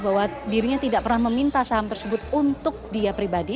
bahwa dirinya tidak pernah meminta saham tersebut untuk dia pribadi